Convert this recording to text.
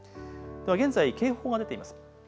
現在、警報が出ています。